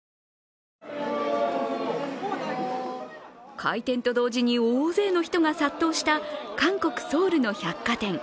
開店と同時に大勢の人が殺到した、韓国ソウルの百貨店。